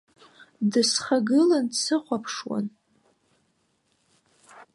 Дысхагылан, дсыхәаԥшуан.